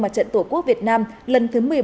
mặt trận tổ quốc việt nam lần thứ một mươi bảy